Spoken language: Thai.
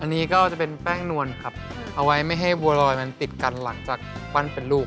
อันนี้ก็จะเป็นแป้งนวลครับเอาไว้ไม่ให้บัวลอยมันติดกันหลังจากปั้นเป็นลูก